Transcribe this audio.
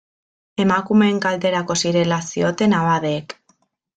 Emakumeen kalterako zirela zioten abadeek.